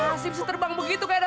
aku tak ngerti ngapain ya